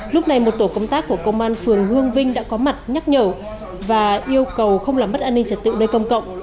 lúc này một tổ công tác của công an phường hương vinh đã có mặt nhắc nhở và yêu cầu không làm mất an ninh trật tự nơi công cộng